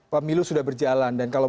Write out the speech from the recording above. pemilu sudah berjalan dan kalau